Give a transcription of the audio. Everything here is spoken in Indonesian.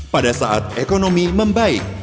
pada saat ekonomi membaik